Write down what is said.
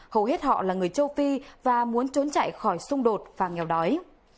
hầu hết họ là người châu phi và muốn trốn chạy khỏi xung đột và nghèo đói